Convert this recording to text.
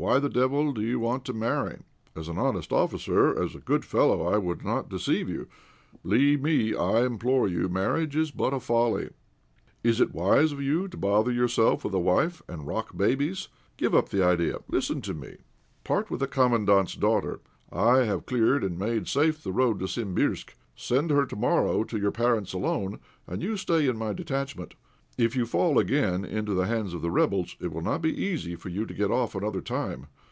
Why the devil do you want to marry? As an honest officer, as a good fellow, I would not deceive you. Believe me, I implore you, marriage is but a folly. Is it wise of you to bother yourself with a wife and rock babies? Give up the idea. Listen to me; part with the Commandant's daughter. I have cleared and made safe the road to Simbirsk; send her to morrow to your parents alone, and you stay in my detachment. If you fall again into the hands of the rebels it will not be easy for you to get off another time.